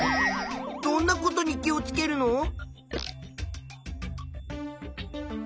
どんなことに気をつけるの？